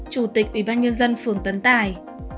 chủ tịch ủy ban nhân dân phường tấn tài